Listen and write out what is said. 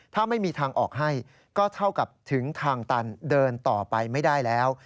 ถ้าไม่มีทางออกให้ก็เท่ากับถึงทางตันเดินต่อไปไม่ได้แล้ว